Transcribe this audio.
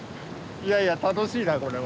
いやいや楽しいなこれは。